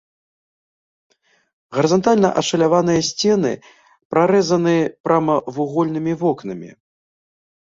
Гарызантальна ашаляваныя сцены прарэзаны прамавугольнымі вокнамі.